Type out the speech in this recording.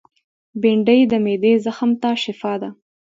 بېنډۍ د معدې زخم ته شفاء ده